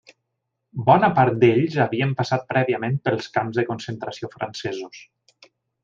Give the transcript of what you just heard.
Bona part d'ells havien passat prèviament pels camps de concentració francesos.